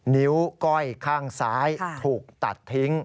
นิ้วก้อยข้างซ้ายถูกตัดทิ้ง